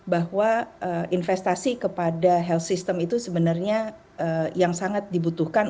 bahwa investasi kepada health system itu sebenarnya yang sangat dibutuhkan